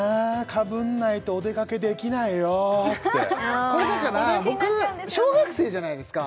「かぶんないとお出かけできないよ」ってこれだから僕小学生じゃないですか